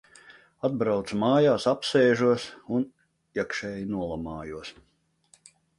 Atbraucu mājās, apsēžos, un... iekšēji nolamājos.